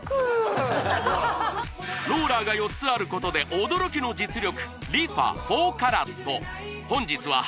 ローラーが４つあることで驚きの実力